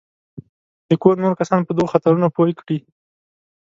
د کور نور کسان په دغو خطرونو پوه کړي.